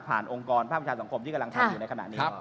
องค์กรภาคประชาสังคมที่กำลังทำอยู่ในขณะนี้